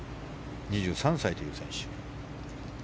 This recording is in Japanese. ２３歳という選手。